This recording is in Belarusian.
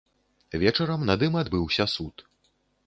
Вечарам над ім адбыўся суд.